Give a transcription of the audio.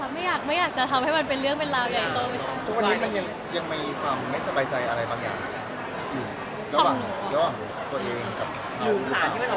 อยู่สารที่มันออกมาแบบแค่เคลื่อนแล้วปลาอยากจะแบบอย่างยากอะไรอย่างเงี้ย